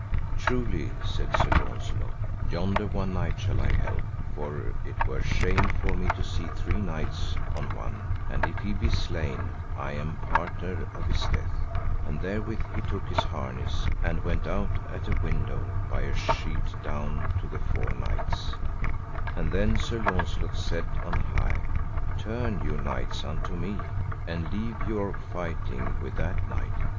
Truly, said Sir Launcelot, yonder one knight shall I help, for it were shame for me to see three knights on one, and if he be slain I am partner of his death; and therewith he took his harness, and went out at a window by a sheet down to the four knights, and then Sir Launcelot said on high, Turn you knights unto me, and leave your fighting with that knight.